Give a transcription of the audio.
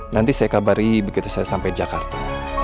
nanti saya kabari begitu saya sampai jakarta